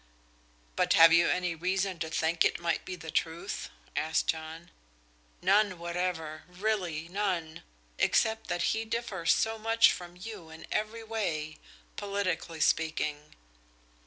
"But have you any reason to think it might be the truth?" asked John. "None whatever really none, except that he differs so much from you in every way, politically speaking."